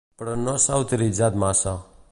Però no s'ha utilitzat massa.